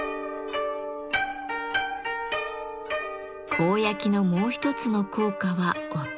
甲焼きのもう一つの効果は音。